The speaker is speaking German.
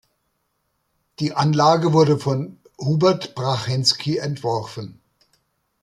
Die Anlage wurde von Hubert Prachensky entworfen.